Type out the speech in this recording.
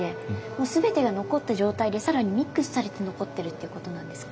もう全てが残った状態で更にミックスされて残ってるっていうことなんですか？